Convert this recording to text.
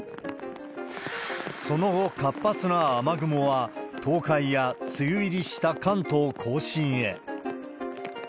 その後、活発な雨雲は東海や梅雨入りした関東甲信へ。